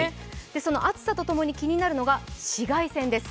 その暑さと共に気になるのが紫外線です。